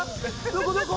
どこどこ？